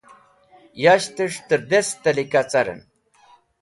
Yashtẽs̃h tẽr dest tẽlika carẽn.